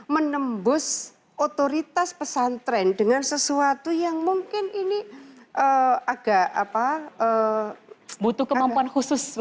menembusi otoritas pesan tren dengan sesuatu yang ini agak